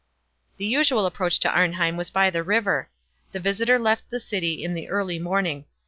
The usual approach to Arnheim was by the river. The visitor left the city in the early morning.